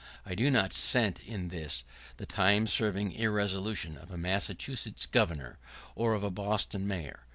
I do not scent in this the time serving irresolution of a Massachusetts Governor, nor of a Boston Mayor.